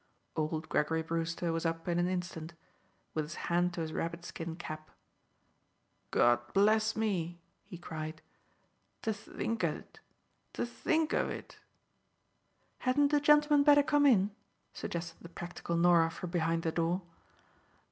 Old Gregory Brewster was up in an instant, with his hand to his rabbit skin cap. "God bless me!" he cried, "to think of it! to think of it!" "Hadn't the gentleman better come in?" suggested the practical Norah from behind the door.